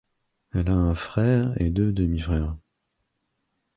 Elle a un frère et deux demi-frères.